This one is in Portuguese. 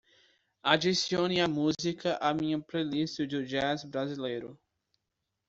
Adicione a música à minha playlist do jazz brasileiro.